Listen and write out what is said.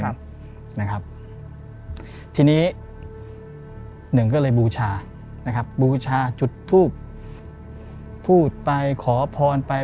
ครับนะครับทีนี้หนึ่งก็เลยบูชานะครับบูชาจุดทูบพูดไปขอพรไป